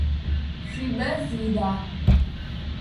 Шъуимэз ина?